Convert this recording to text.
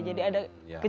jadi ada kejaksaan tinggi